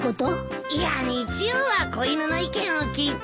いやあ日曜は子犬の意見を聞いて。